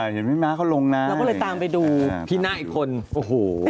เห็นพี่ม้าเขาลงนะเราก็เลยตามไปดูพี่หน้าอีกคนโอ้โห